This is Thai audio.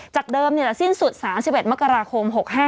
จากเดิมสิ้นสุด๓๑มกราคม๖๕